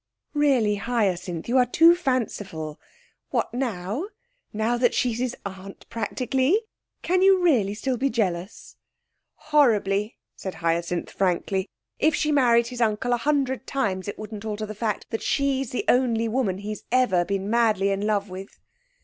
'Really, Hyacinth, you are fanciful! What now, now that she's his aunt practically? Can you really still be jealous?' 'Horribly,' said Hyacinth frankly. 'If she married his uncle a hundred times it wouldn't alter the fact that she's the only woman he's ever been madly in love with.'